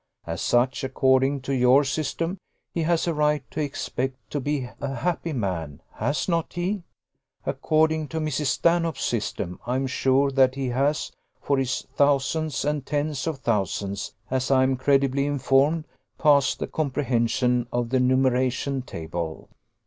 As such, according to your system, he has a right to expect to be a happy man, has not he? According to Mrs. Stanhope's system, I am sure that he has: for his thousands and tens of thousands, as I am credibly informed, pass the comprehension of the numeration table.